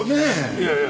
いやいや。